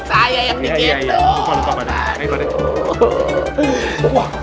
saya yang bikin tuh